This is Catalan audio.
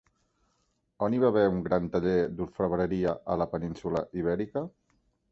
On hi va haver un gran taller d'orfebreria a la península Ibèrica?